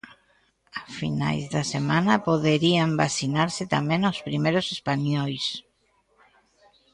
A finais da semana poderían vacinarse tamén os primeiros españois.